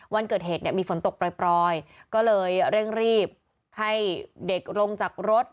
วันเกิดเหตุเนี่ยมีฝนตกปล่อยก็เลยเร่งรีบให้เด็กลงจากรถ